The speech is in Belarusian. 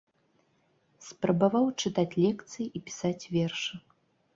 Спрабаваў чытаць лекцыі і пісаць вершы.